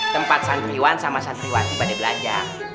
tempat santriwan sama santriwati pada belajar